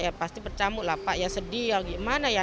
ya pasti bercambuk lah pak ya sedih ya gimana ya